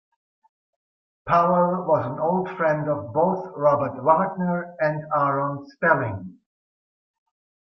Powell was an old friend of both Robert Wagner and Aaron Spelling.